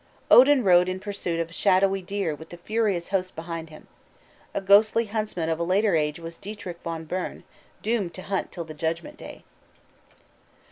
_ Odin rode in pursuit of shadowy deer with the Furious Host behind him. A ghostly huntsman of a later age was Dietrich von Bern, doomed to hunt till the Judgment Day.